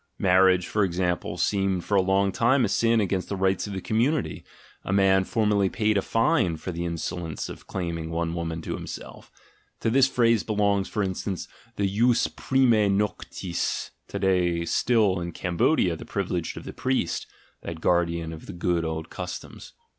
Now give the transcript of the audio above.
Marriage, for example, seemed for a long time a sin against the rights of the community ; a man formerly paid a fine for the insolence of claiming one woman to himself (to this phase belongs, for instance, the jus priv. to day still in Cambodia the privilege of the priest, that guardian of the "good old customs").